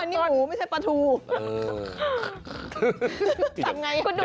น้ำลายยืดด้วย